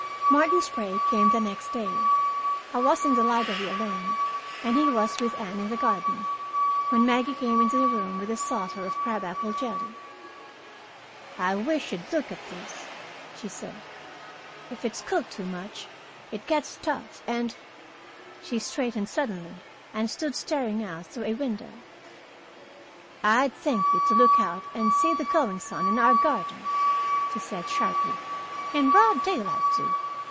Martin Sprague came the next day. I was in the library alone, and he was with Anne in the garden, when Maggie came into the room with a saucer of crab apple jelly. "I wish you'd look at this," she said. "If it's cooked too much, it gets tough and " She straightened suddenly and stood staring out through a window. "I'd thank you to look out and see the goings on in our garden," she said sharply. "In broad daylight, too.